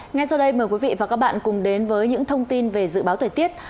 ngay sau đây mời quý vị và các bạn cùng đến với những thông tin về dự báo thời tiết